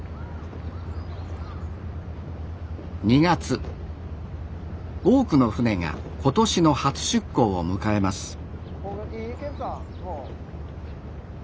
２月多くの船が今年の初出港を迎えます。